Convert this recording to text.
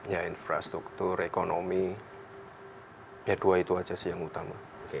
ya infrastruktur ekonomi ya dua itu aja sih yang utama